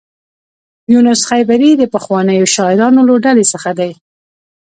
یونس خیبري د پخوانیو شاعرانو له ډلې څخه دی.